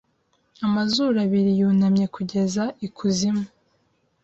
Amazuru abiri yunamye kugeza ikuzimu